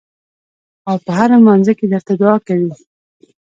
او پۀ هر مانځه کښې درته دعا کوي ـ